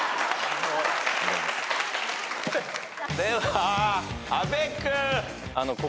では阿部君。